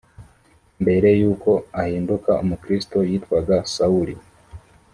mbere y uko ahinduka umukristo yitwaga sawuli